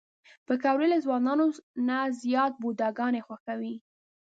پکورې له ځوانانو نه زیات بوډاګان خوښوي